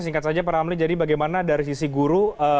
singkat saja pak ramli jadi bagaimana dari sisi guru